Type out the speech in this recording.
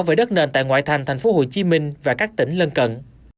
về đất nền tại ngoại thành thành phố hồ chí minh và các tỉnh lân cận